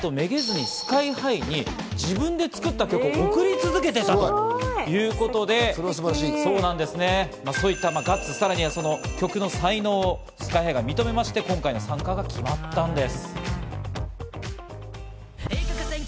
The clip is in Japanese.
ただ内野さんですね、脱落してしまった後めげずにＳＫＹ−ＨＩに自分で作った曲を送り続けていたということで、ガッツ、さらには曲の才能をＳＫＹ−ＨＩが認めまして今回の参加が決まったんです。